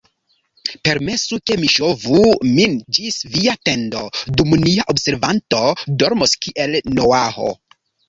Permesu, ke mi ŝovu min ĝis via tendo, dum nia observanto dormos kiel Noaho.